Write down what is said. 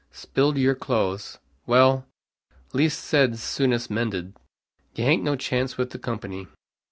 Spiled your clothes! Wal, 'least said's soonest mended.' You haint no chance with the company."